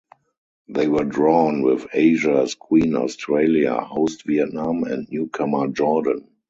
They were drawn with Asia's Queen Australia, host Vietnam and newcomer Jordan.